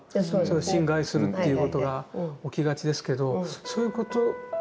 侵害するっていうことが起きがちですけどそういうことがなかった。